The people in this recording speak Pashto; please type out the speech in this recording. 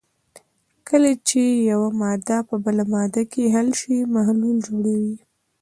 کله چې یوه ماده په بله ماده کې حل شي محلول جوړوي.